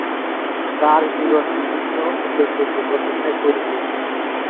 তার জীবন বিভিন্ন উল্লেখযোগ্য ঘটনায় পরিপূর্ণ।